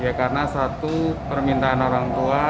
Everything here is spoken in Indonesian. ya karena satu permintaan orang tua